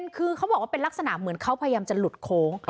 เค้าบอกเหมือนเป็นทางพยายามจะหลุดโค้ง